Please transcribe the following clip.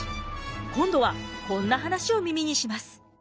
今度はこんな話を耳にします。